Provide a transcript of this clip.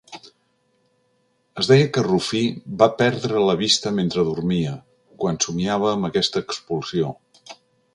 Es deia que Rufí va perdre la vista mentre dormia, quan somiava amb aquesta expulsió.